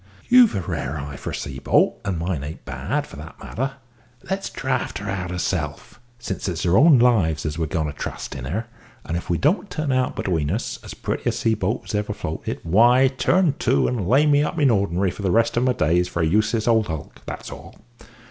You've a rare eye for a sea boat, and mine ain't bad, for that matter; let's draught her out ourselves, since it's our own lives as we are going to trust in her; and if we don't turn out, between us, as pretty a sea boat as ever floated, why, turn to and lay me up in ordinary for the rest of my days for a useless old hulk, that's all.